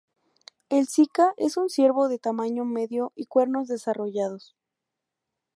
El sica es un ciervo de tamaño medio y cuernos desarrollados.